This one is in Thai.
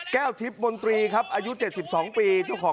เรียนเรียนเรียนเรียนเรียนเรียน